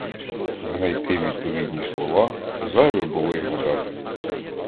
Знайти відповідні слова — зайве було й гадати.